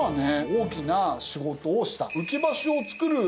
大きな仕事をした。